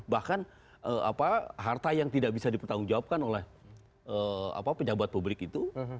bahkan harta yang tidak bisa dipertanggungjawabkan oleh pejabat publik itu